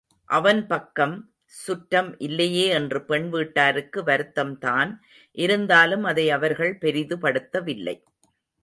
அவன்பக்கம் சுற்றம் இல்லையே என்று பெண் வீட்டாருக்கு வருத்தம் தான் இருந்தாலும் அதை அவர்கள் பெரிது படுத்தவில்லை.